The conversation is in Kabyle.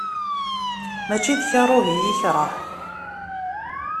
Mačči d karuh i yi-ikreh.